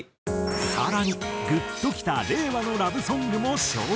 更にグッときた令和のラブソングも紹介。